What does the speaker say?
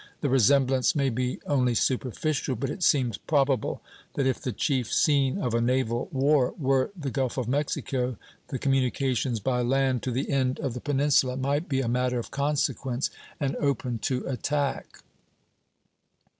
The resemblance may be only superficial, but it seems probable that if the chief scene of a naval war were the Gulf of Mexico, the communications by land to the end of the peninsula might be a matter of consequence, and open to attack.